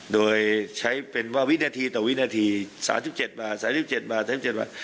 โดยใช้เป็นว่าวินาทีต่อวินาที๓๗มา๓๗มา๓๗บาท